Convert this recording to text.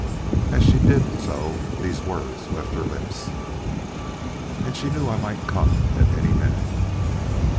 As she did so, these words left her lips: "And she knew I might come at any minute!"